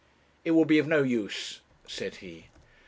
'It will be of no use,' said he.